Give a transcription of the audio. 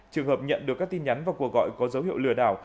trường hợp nhận được các tin nhắn và cuộc gọi có dấu hiệu lừa đảo